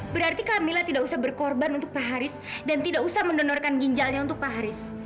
berarti kamila tidak usah berkorban untuk pak haris dan tidak usah mendonorkan ginjalnya untuk pak haris